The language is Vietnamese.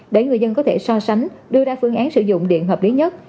để người dân có thể so sánh đưa ra phương án sử dụng điện hợp lý nhất